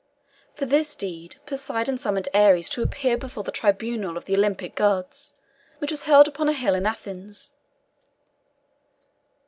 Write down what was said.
For this deed, Poseidon summoned Ares to appear before the tribunal of the Olympic gods, which was held upon a hill in Athens.